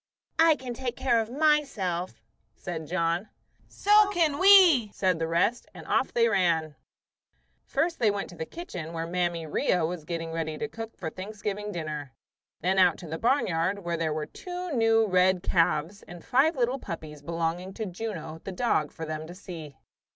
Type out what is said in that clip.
"I can take care of myself," said John. "So can we," said the rest; and off they ran. First they went to the kitchen where Mammy 'Ria was getting ready to cook the Thanksgiving dinner; then out to the barnyard, where there were two new red calves, and five little puppies belonging to Juno, the dog, for them to see.